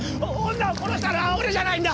女を殺したのは俺じゃないんだ！